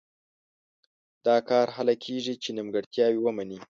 دا کار هله کېږي چې نیمګړتیاوې ومني.